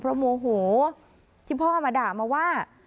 เพราะว่าพ่อตัวเองโมโหที่พ่อมาด่ามาว่า